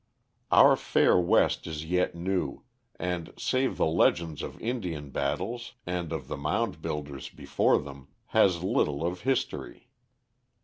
Our fair West is yet new, and, save the legends of Indian battles and of the mound builders before them, has little of history.